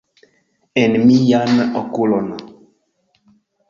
En mian okulon!